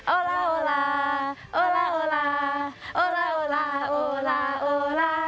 โอล่าโอล่าโอล่าโอล่าโอล่าโอล่าโอล่า